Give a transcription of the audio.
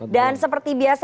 dan seperti biasa